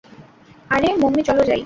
আরে মম্মি চলো যাই।